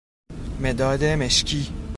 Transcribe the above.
مداد مشکی